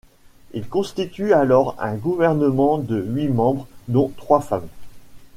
Il constitue alors un gouvernement de huit membres, dont trois femmes.